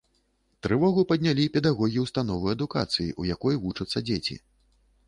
Трывогу паднялі педагогі ўстановы адукацыі, у якой вучацца дзеці.